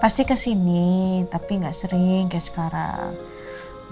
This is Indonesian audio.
pasti kesini tapi gak sering kayak sekarang